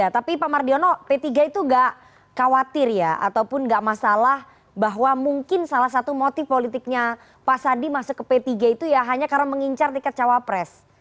tapi pak mardiono p tiga itu nggak khawatir ya ataupun nggak masalah bahwa mungkin salah satu motif politiknya pak sandi masuk ke p tiga itu ya hanya karena mengincar tiket cawapres